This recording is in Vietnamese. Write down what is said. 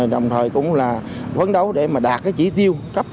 đồng thời cũng là vấn đấu để mà đạt cái chỉ tiêu cấp